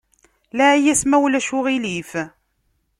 Laɛi-yas ma ulac aɣilif.